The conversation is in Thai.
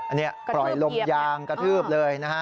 อันนี้ปล่อยลมยางกระทืบเลยนะฮะ